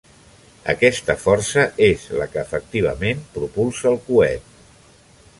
Aquesta força és la que efectivament propulsa el coet.